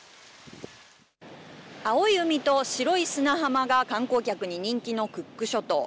青い海と白い砂浜が観光客に人気のクック諸島。